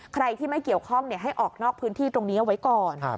ใครที่ไม่เกี่ยวข้องให้ออกนอกพื้นที่ตรงนี้เอาไว้ก่อน